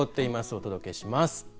お届けします。